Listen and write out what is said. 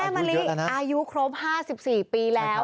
มะลิอายุครบ๕๔ปีแล้ว